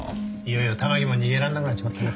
いよいよたまきも逃げらんなくなっちまったな。